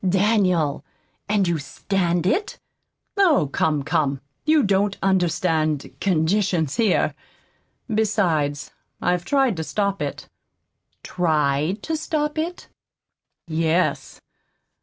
"DANIEL! And you stand it?" "Oh, come, come! You don't understand conditions here. Besides, I've tried to stop it." "TRIED to stop it!" "Yes.